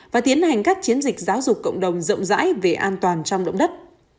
và tiến hành các chiến dịch giáo dục cộng đồng rộng rãi về an toàn trong động đất